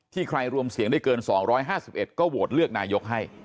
ที่ใครรวมเสียงได้เกินสองร้อยห้าสิบเอ็ดก็โหลดเลือกนายกให้